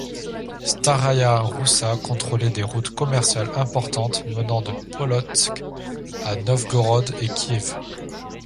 Staraïa Roussa contrôlait des routes commerciales importantes menant de Polotsk à Novgorod et Kiev.